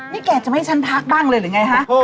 นี่แกจะไม่ให้ฉันพักบ้างเลยหรือไงฮะ